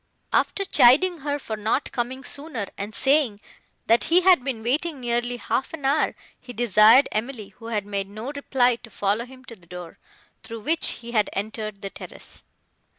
After chiding her for not coming sooner, and saying that he had been waiting nearly half an hour, he desired Emily, who made no reply, to follow him to the door through which he had entered the terrace.